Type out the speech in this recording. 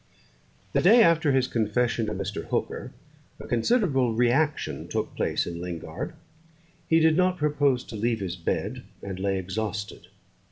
The day after his confession to Mr. Hooker, a considerable re action took place in Lingard. He did not propose to leave his bed, and lay exhausted.